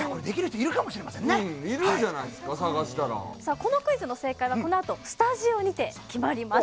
いるんじゃないですか、このクイズの正解はこのあと、スタジオにて決まります。